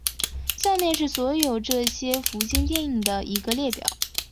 下面是所有这些福星电影的一个列表。